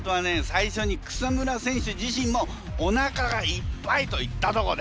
最初に草村選手自身もおなかがいっぱいと言ったとこだよね。